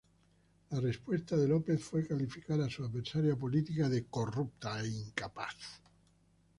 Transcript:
La respuesta de López fue calificar a su adversaria política de "corrupta e incapaz".